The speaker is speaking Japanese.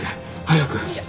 早く！